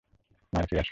মার খেয়ে আসলি!